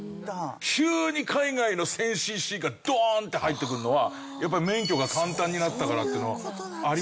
急に海外の１０００シーシーがドーンって入ってくるのはやっぱり免許が簡単になったからっていうのはありますよね。